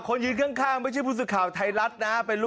คนยืนข้างไม่ใช่ภูมิสุข่าวไทยรัฐนะ